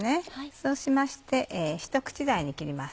そうしましてひと口大に切ります。